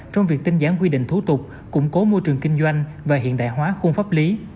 trong việc tinh giản quy định thủ tục củng cố môi trường kinh doanh và hiện đại hóa khung pháp lý